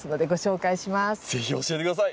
是非教えて下さい。